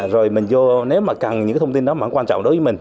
rồi mình vô nếu mà cần những cái thông tin đó mà quan trọng đối với mình